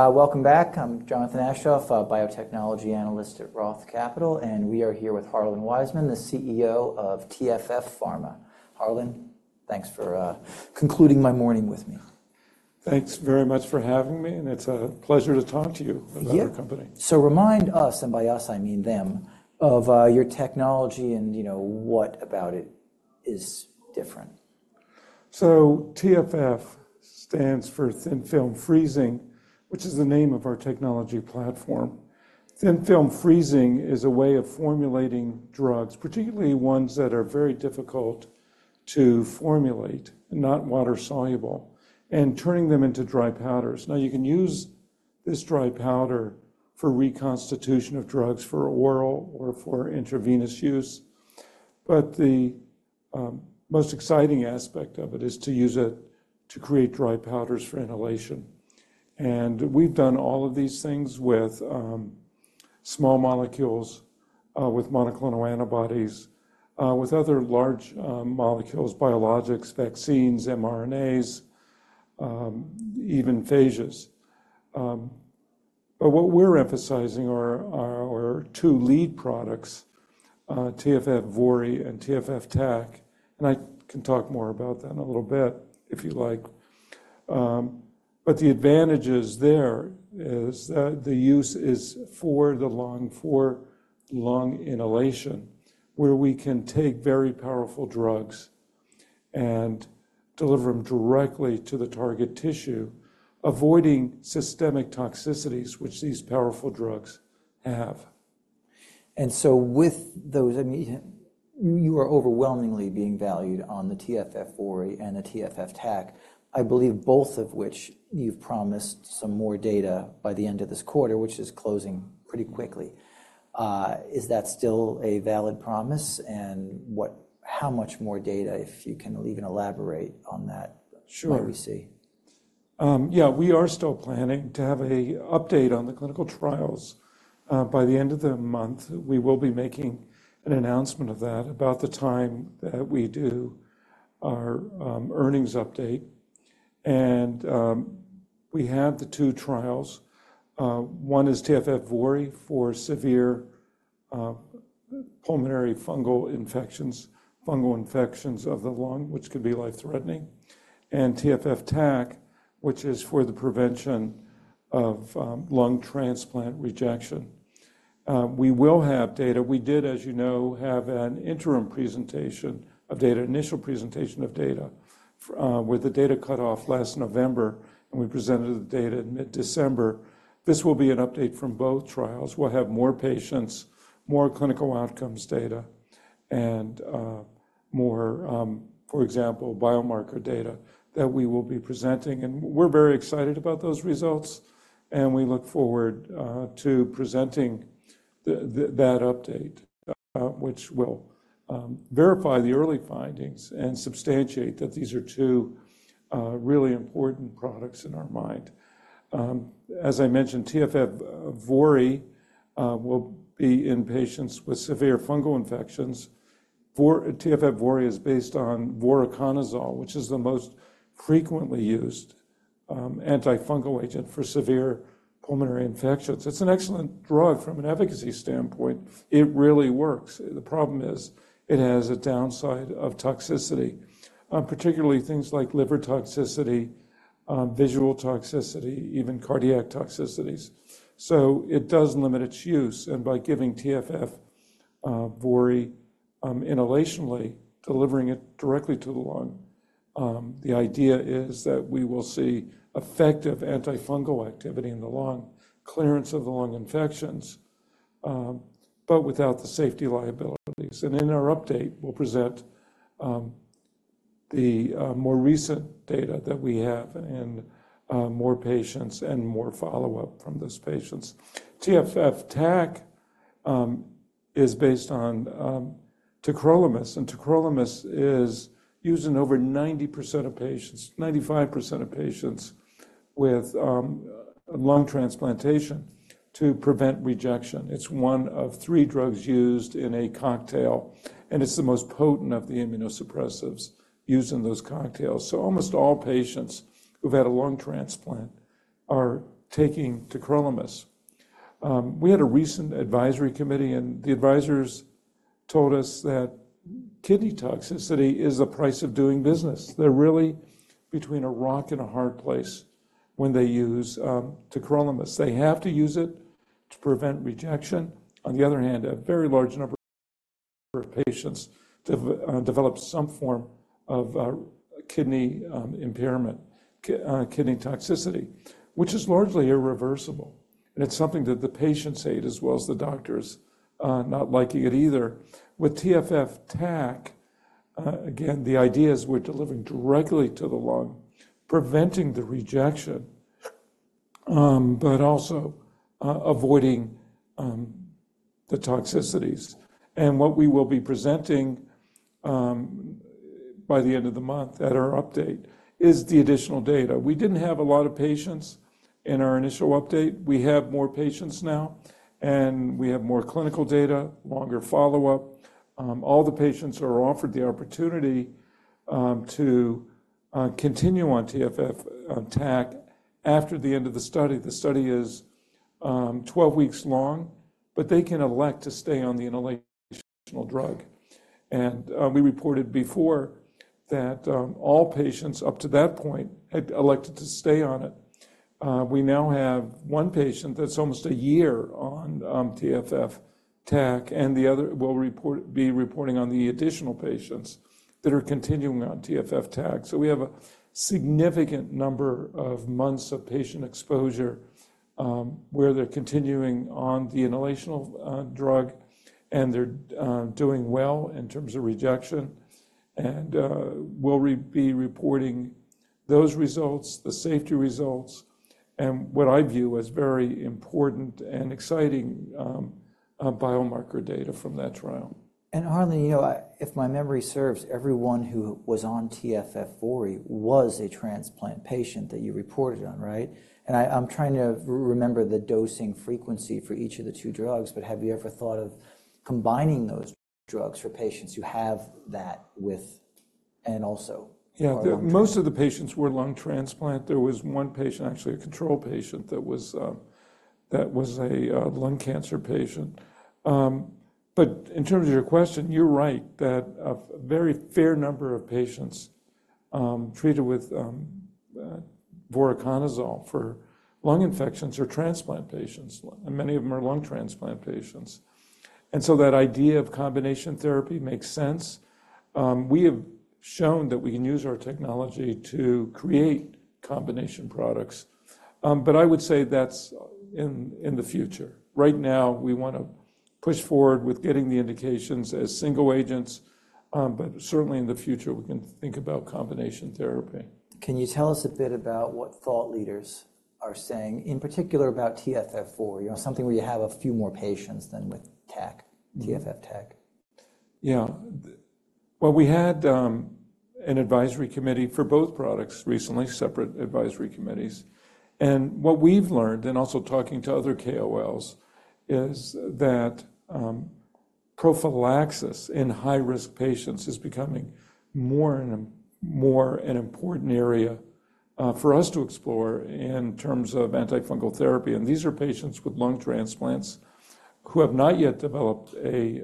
Welcome back. I'm Jonathan Aschoff, a biotechnology analyst at Roth Capital, and we are here with Harlan Weisman, the CEO of TFF Pharma. Harlan, thanks for concluding my morning with me. Thanks very much for having me, and it's a pleasure to talk to you about your company. Yeah. So remind us, and by us I mean them, of your technology and what about it is different. So TFF stands for Thin Film Freezing, which is the name of our technology platform. Thin Film Freezing is a way of formulating drugs, particularly ones that are very difficult to formulate and not water-soluble, and turning them into dry powders. Now, you can use this dry powder for reconstitution of drugs, for oral or for intravenous use, but the most exciting aspect of it is to use it to create dry powders for inhalation. And we've done all of these things with small molecules, with monoclonal antibodies, with other large molecules, biologics, vaccines, mRNAs, even phages. But what we're emphasizing are our two lead products, TFF VORI and TFF TAC, and I can talk more about that in a little bit if you like. The advantages there is that the use is for the lung inhalation, where we can take very powerful drugs and deliver them directly to the target tissue, avoiding systemic toxicities which these powerful drugs have. And so with those—I mean, you are overwhelmingly being valued on the TFF VORI and the TFF TAC, I believe both of which you've promised some more data by the end of this quarter, which is closing pretty quickly. Is that still a valid promise, and how much more data, if you can even elaborate on that, might we see? Sure. Yeah, we are still planning to have an update on the clinical trials. By the end of the month, we will be making an announcement of that about the time that we do our earnings update. We have the two trials. One is TFF VORI for severe pulmonary fungal infections of the lung, which could be life-threatening, and TFF TAC, which is for the prevention of lung transplant rejection. We will have data. We did, as you know, have an interim presentation of data, initial presentation of data, with the data cut off last November, and we presented the data in mid-December. This will be an update from both trials. We'll have more patients, more clinical outcomes data, and more, for example, biomarker data that we will be presenting. We're very excited about those results, and we look forward to presenting that update, which will verify the early findings and substantiate that these are two really important products in our mind. As I mentioned, TFF VORI will be in patients with severe fungal infections. TFF VORI is based on voriconazole, which is the most frequently used antifungal agent for severe pulmonary infections. It's an excellent drug from an efficacy standpoint. It really works. The problem is it has a downside of toxicity, particularly things like liver toxicity, visual toxicity, even cardiac toxicities. So it does limit its use, and by giving TFF VORI inhalationally, delivering it directly to the lung, the idea is that we will see effective antifungal activity in the lung, clearance of the lung infections, but without the safety liabilities. In our update, we'll present the more recent data that we have and more patients and more follow-up from those patients. TFF TAC is based on tacrolimus, and tacrolimus is used in over 90% of patients, 95% of patients, with lung transplantation to prevent rejection. It's one of three drugs used in a cocktail, and it's the most potent of the immunosuppressives used in those cocktails. So almost all patients who've had a lung transplant are taking tacrolimus. We had a recent advisory committee, and the advisors told us that kidney toxicity is the price of doing business. They're really between a rock and a hard place when they use tacrolimus. They have to use it to prevent rejection. On the other hand, a very large number of patients develop some form of kidney impairment, kidney toxicity, which is largely irreversible, and it's something that the patients hate as well as the doctors not liking it either. With TFF TAC, again, the idea is we're delivering directly to the lung, preventing the rejection, but also avoiding the toxicities. What we will be presenting by the end of the month at our update is the additional data. We didn't have a lot of patients in our initial update. We have more patients now, and we have more clinical data, longer follow-up. All the patients are offered the opportunity to continue on TFF TAC after the end of the study. The study is 12 weeks long, but they can elect to stay on the inhalational drug. We reported before that all patients up to that point had elected to stay on it. We now have one patient that's almost a year on TFF TAC, and the other will be reporting on the additional patients that are continuing on TFF TAC. So we have a significant number of months of patient exposure where they're continuing on the inhalational drug, and they're doing well in terms of rejection. We'll be reporting those results, the safety results, and what I view as very important and exciting biomarker data from that trial. And Harlan, if my memory serves, everyone who was on TFF VORI was a transplant patient that you reported on, right? And I'm trying to remember the dosing frequency for each of the two drugs, but have you ever thought of combining those drugs for patients who have that with and also? Yeah, most of the patients were lung transplant. There was one patient, actually a control patient, that was a lung cancer patient. But in terms of your question, you're right that a very fair number of patients treated with Voriconazole for lung infections are transplant patients, and many of them are lung transplant patients. And so that idea of combination therapy makes sense. We have shown that we can use our technology to create combination products, but I would say that's in the future. Right now, we want to push forward with getting the indications as single agents, but certainly in the future, we can think about combination therapy. Can you tell us a bit about what thought leaders are saying, in particular about TFF VORI? Something where you have a few more patients than with TFF TAC? Yeah. Well, we had an advisory committee for both products recently, separate advisory committees. What we've learned, and also talking to other KOLs, is that prophylaxis in high-risk patients is becoming more and more an important area for us to explore in terms of antifungal therapy. These are patients with lung transplants who have not yet developed a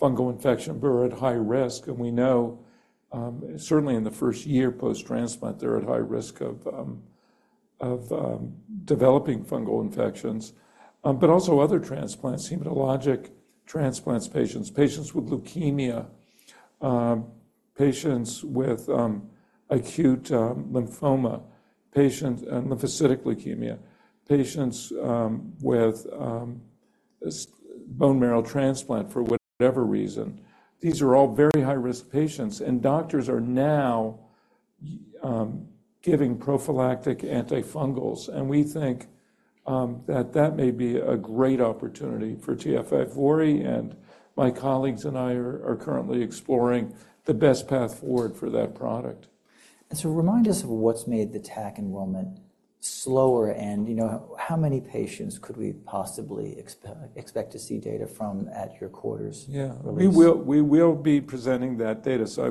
fungal infection, but are at high risk. We know, certainly in the first year post-transplant, they're at high risk of developing fungal infections. But also other transplants, hematologic transplants patients, patients with leukemia, patients with acute lymphoma, patients and lymphocytic leukemia, patients with bone marrow transplant for whatever reason. These are all very high-risk patients, and doctors are now giving prophylactic antifungals, and we think that that may be a great opportunity for TFF VORI, and my colleagues and I are currently exploring the best path forward for that product. And so, remind us of what's made the TAC enrollment slower, and how many patients could we possibly expect to see data from at your quarter's release? Yeah, we will be presenting that data, so I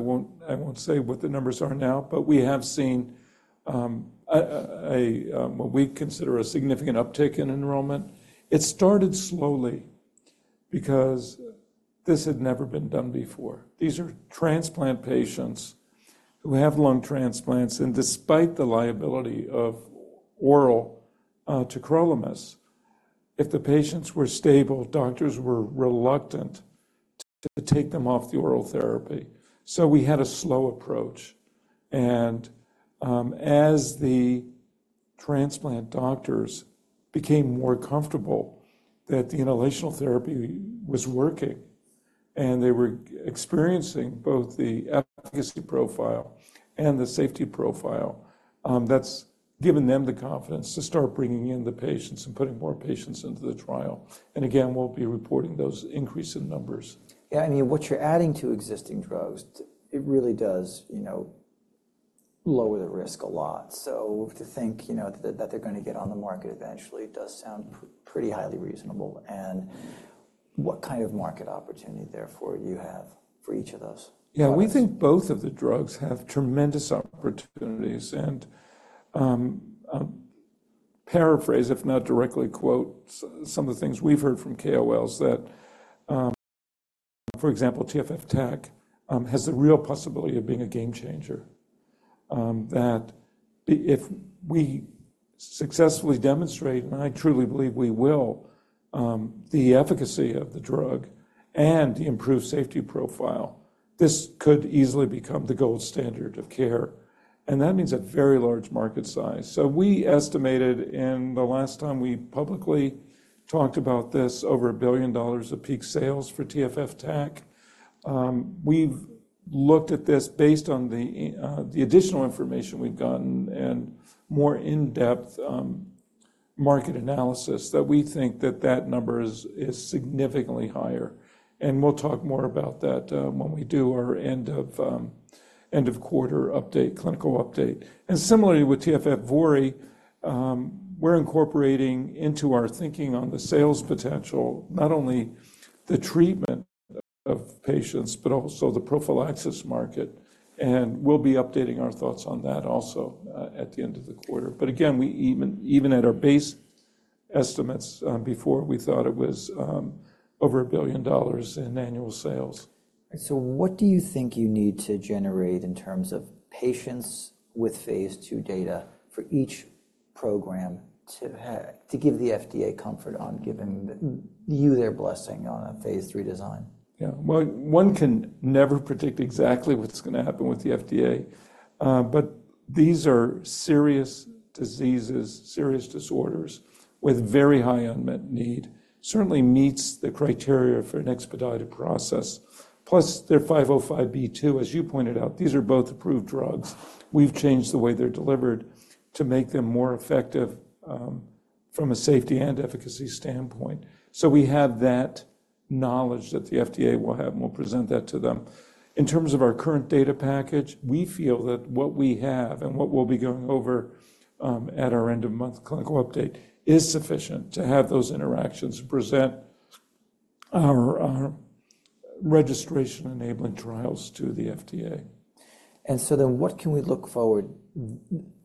won't say what the numbers are now, but we have seen what we consider a significant uptick in enrollment. It started slowly because this had never been done before. These are transplant patients who have lung transplants, and despite the liability of oral Tacrolimus, if the patients were stable, doctors were reluctant to take them off the oral therapy. So we had a slow approach, and as the transplant doctors became more comfortable that the inhalational therapy was working, and they were experiencing both the efficacy profile and the safety profile, that's given them the confidence to start bringing in the patients and putting more patients into the trial. And again, we'll be reporting those increase in numbers. Yeah, I mean, what you're adding to existing drugs, it really does lower the risk a lot. So to think that they're going to get on the market eventually does sound pretty highly reasonable. What kind of market opportunity, therefore, do you have for each of those? Yeah, we think both of the drugs have tremendous opportunities, and paraphrase, if not directly quote, some of the things we've heard from KOLs that, for example, TFF TAC has the real possibility of being a game-changer, that if we successfully demonstrate, and I truly believe we will, the efficacy of the drug and the improved safety profile, this could easily become the gold standard of care. And that means a very large market size. So we estimated, and the last time we publicly talked about this, over $1 billion of peak sales for TFF TAC. We've looked at this based on the additional information we've gotten and more in-depth market analysis that we think that that number is significantly higher. And we'll talk more about that when we do our end-of-quarter update, clinical update. Similarly with TFF VORI, we're incorporating into our thinking on the sales potential not only the treatment of patients, but also the prophylaxis market, and we'll be updating our thoughts on that also at the end of the quarter. Again, even at our base estimates before, we thought it was over $1 billion in annual sales. So what do you think you need to generate in terms of patients with phase 2 data for each program to give the FDA comfort on, giving you their blessing on a phase 3 design? Yeah, well, one can never predict exactly what's going to happen with the FDA, but these are serious diseases, serious disorders with very high unmet need. Certainly meets the criteria for an expedited process. Plus, they're 505(b)(2). As you pointed out, these are both approved drugs. We've changed the way they're delivered to make them more effective from a safety and efficacy standpoint. So we have that knowledge that the FDA will have and we'll present that to them. In terms of our current data package, we feel that what we have and what we'll be going over at our end-of-month clinical update is sufficient to have those interactions present our registration-enabling trials to the FDA. What can we look forward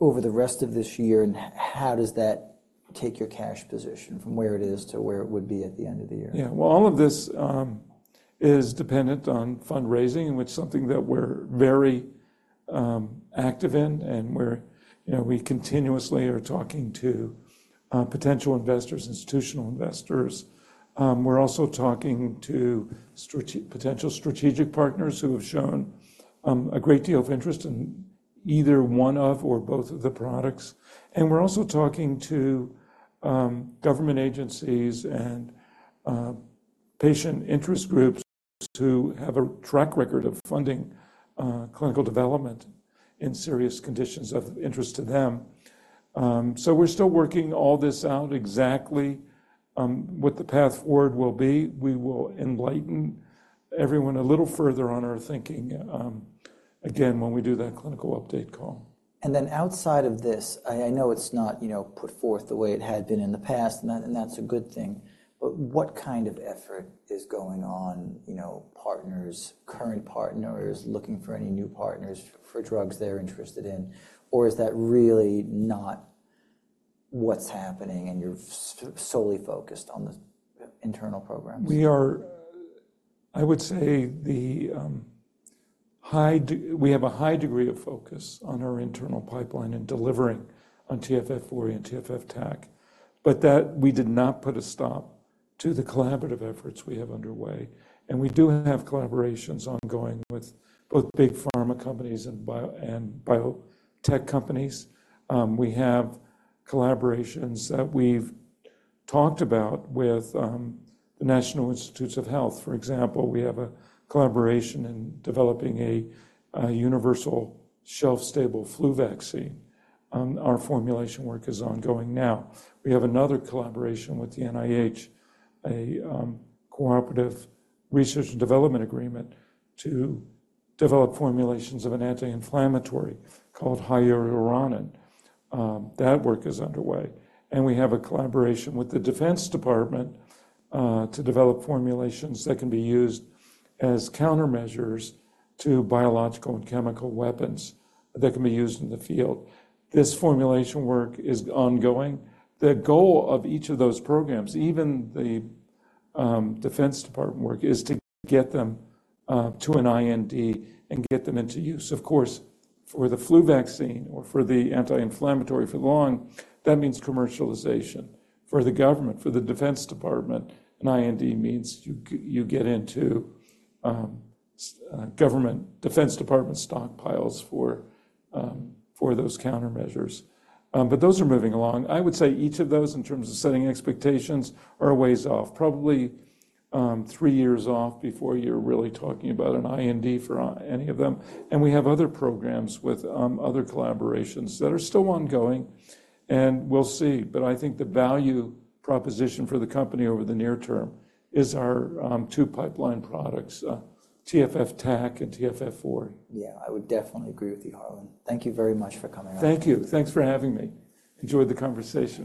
over the rest of this year, and how does that take your cash position from where it is to where it would be at the end of the year? Yeah, well, all of this is dependent on fundraising, which is something that we're very active in, and where we continuously are talking to potential investors, institutional investors. We're also talking to potential strategic partners who have shown a great deal of interest in either one of or both of the products. And we're also talking to government agencies and patient interest groups who have a track record of funding clinical development in serious conditions of interest to them. So we're still working all this out exactly what the path forward will be. We will enlighten everyone a little further on our thinking, again, when we do that clinical update call. And then outside of this, I know it's not put forth the way it had been in the past, and that's a good thing, but what kind of effort is going on? Partners, current partners looking for any new partners for drugs they're interested in, or is that really not what's happening, and you're solely focused on the internal programs? We are, I would say, we have a high degree of focus on our internal pipeline and delivering on TFF VORI and TFF TAC, but that we did not put a stop to the collaborative efforts we have underway. We do have collaborations ongoing with both big pharma companies and biotech companies. We have collaborations that we've talked about with the National Institutes of Health. For example, we have a collaboration in developing a universal shelf-stable flu vaccine. Our formulation work is ongoing now. We have another collaboration with the NIH, a cooperative research and development agreement to develop formulations of an anti-inflammatory called Hyaluronan. That work is underway. We have a collaboration with the Department of Defense to develop formulations that can be used as countermeasures to biological and chemical weapons that can be used in the field. This formulation work is ongoing. The goal of each of those programs, even the Department of Defense work, is to get them to an IND and get them into use. Of course, for the flu vaccine or for the anti-inflammatory for the lung, that means commercialization. For the government, for the Department of Defense, an IND means you get into government Department of Defense stockpiles for those countermeasures. But those are moving along. I would say each of those, in terms of setting expectations, are a ways off, probably three years off before you're really talking about an IND for any of them. And we have other programs with other collaborations that are still ongoing, and we'll see. But I think the value proposition for the company over the near term is our two pipeline products, TFF TAC and TFF VORI. Yeah, I would definitely agree with you, Harlan. Thank you very much for coming on. Thank you. Thanks for having me. Enjoyed the conversation.